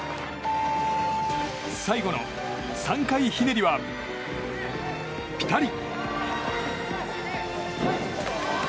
最後の３回ひねりは、ピタリ。